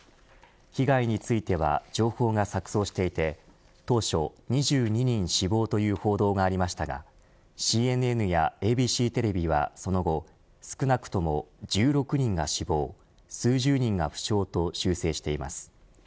被害については情報が錯綜していて当初２２人死亡という報道がありましたがＣＮＮやＡＢＣテレビはその後少なくとも１６人が死亡数十人が負傷と修正しています。